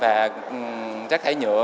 và giác thải nhựa